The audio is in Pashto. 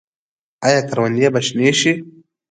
آیا کروندې به شنې شي؟